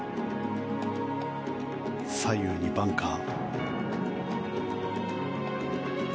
左右にバンカー。